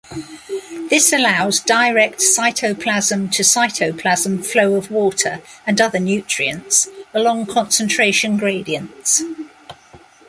This allows direct cytoplasm-to-cytoplasm flow of water and other nutrients along concentration gradients.